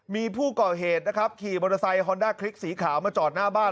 มีผู้ก่อเหตุนะครับขี่มอเตอร์ไซคอนด้าคลิกสีขาวมาจอดหน้าบ้าน